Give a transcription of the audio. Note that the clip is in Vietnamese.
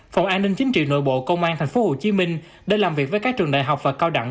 phòng an ninh chính trị nội bộ công an tp hcm đã làm việc với các trường đại học và cao đẳng